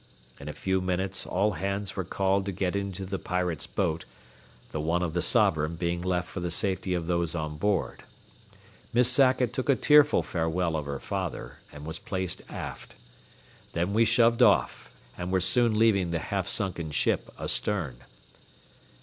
In a few minutes all hands were called to get into the Pirate's boat, the one of the Sovereign being left for the safety of those on board. Miss Sackett took a tearful farewell of her father, and was placed aft. Then we shoved off, and were soon leaving the half sunken ship astern.